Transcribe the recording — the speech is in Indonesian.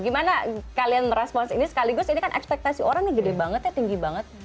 gimana kalian merespons ini sekaligus ini kan ekspektasi orang nih gede banget ya tinggi banget